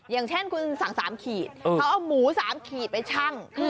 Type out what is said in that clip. อย่างเช่นคุณสั่ง๓ขีดเขาเอาหมู๓ขีดไปชั่ง